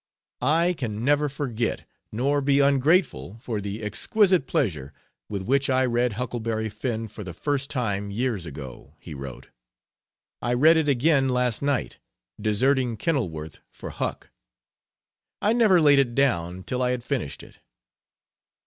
"I can never forget, nor be ungrateful for the exquisite pleasure with which I read Huckleberry Finn for the first time, years ago," he wrote; "I read it again last night, deserting Kenilworth for Huck. I never laid it down till I had finished it."